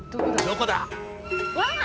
どこだ？